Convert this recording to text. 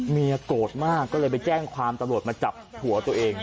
เมียโกรธมากก็เลยไปแจ้งความตำรวจมาจับผัวตัวเอง